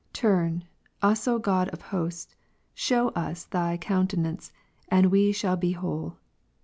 Turn us, God of Hosts, sheio us Thy counte 19. ' nance, and loe shall be whole.